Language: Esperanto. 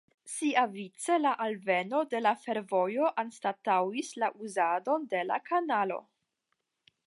Siavice la alveno de la fervojo anstataŭis la uzadon de la kanalo.